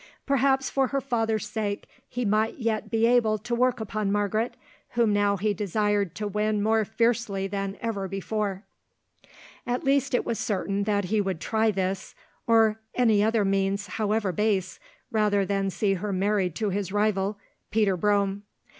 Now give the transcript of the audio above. Perhaps for her father's sake he might yet be able to work upon Margaret, whom now he desired to win more fiercely than ever before. At least it was certain that he would try this, or any other means, however base, rather than see her married to his rival, Peter Brome.